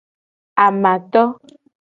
Amato.